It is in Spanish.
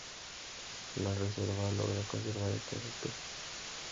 La reserva logra conservar estas especies.